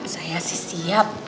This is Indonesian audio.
saya sih siap